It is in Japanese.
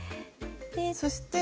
そして。